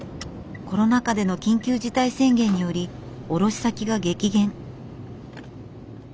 コロナ禍での緊急事態宣言により卸し先が激減。